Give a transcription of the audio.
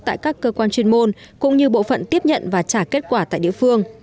tại các cơ quan chuyên môn cũng như bộ phận tiếp nhận và trả kết quả tại địa phương